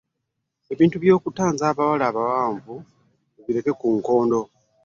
Ebyo ebintu by'okuganza babba b'abakyala abawalabu obireka ku nkondo